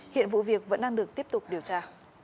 hiện vụ việc vẫn đang được tiếp tục điều tra